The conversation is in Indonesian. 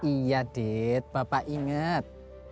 iya dit bapak inget